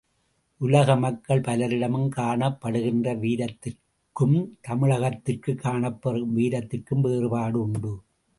உலக மக்கள் பலரிடமும் காணப்படுகின்ற வீரத்திற்கும் தமிழகத்திற் காணப்பெறும் வீரத்திற்கும் வேறுபாடு உண்டு.